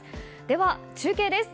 では、中継です。